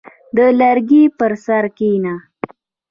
• د لرګي پر سر کښېنه.